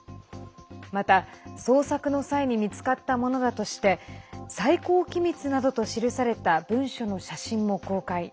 また、捜索の際に見つかったものだとして最高機密などと記された文書の写真も公開。